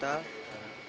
sudah ke dokter